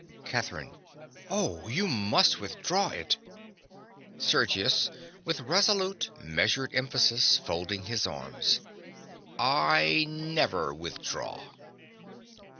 CATHERINE. Oh, you must withdraw it! SERGIUS. (with resolute, measured emphasis, folding his arms). I never withdraw!